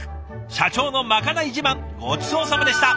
社長のまかない自慢ごちそうさまでした。